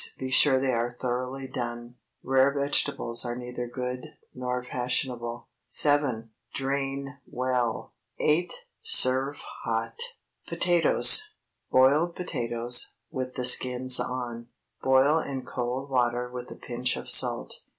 Be sure they are thoroughly done. Rare vegetables are neither good nor fashionable. 7. Drain well. 8. Serve hot! POTATOES. BOILED POTATOES (with the skins on.) Boil in cold water with a pinch of salt.